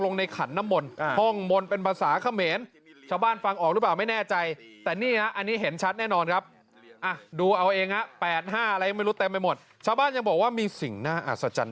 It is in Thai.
นอกจากนั้นในพิธีจุดประทัดถวาย๒๐๐๐๐นัตร